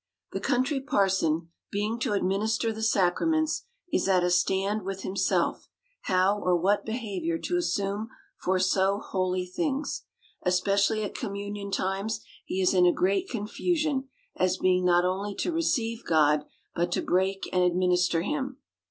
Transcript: The Country Parson, being to administer the sacra ments, is at a stand with himself, how or what behavior to assume for so holy things. Especially at communion times he is in a great confusion, as being not only to receive God, but to break and administer him.